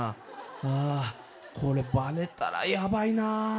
ああ、これ、ばれたらやばいな。